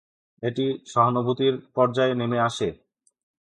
এটি সহানুভূতির পর্যায়ে নেমে আসে।